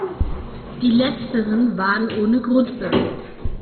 Die letzteren waren ohne Grundbesitz.